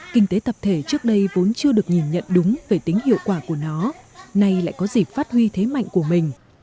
kinh tế tập thể trước đây vốn chưa được nhìn nhận đúng về tính hiệu quả của nó nay lại có dịp phát huy thế mạnh của mình